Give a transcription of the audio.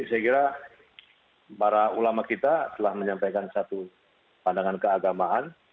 saya kira para ulama kita telah menyampaikan satu pandangan keagamaan